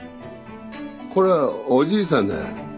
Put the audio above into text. これはおじいさんだよ。